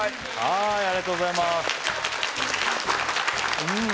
ありがとうございます